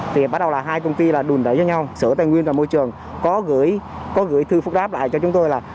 thì bắt đầu là hai công ty là đùn đẩy cho nhau sở tài nguyên và môi trường có gửi thư phúc đáp lại cho chúng tôi là